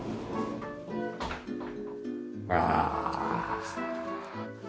ああ。